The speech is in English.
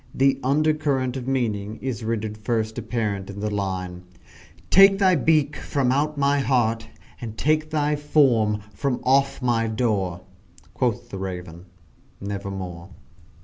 The under current of meaning is rendered first apparent in the line "Take thy beak from out my heart, and take thy form from off my door!" Quoth the Raven "Nevermore!"